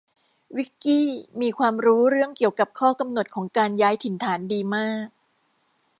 วิคกี้มีความรู้เรื่องเกี่ยวกับข้อกำหนดของการย้ายถิ่นฐานดีมาก